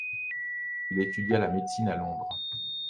Il étudia la médecine à Londres.